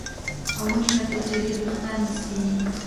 او ومې کتل چې ډېر ویښتان مې سپین دي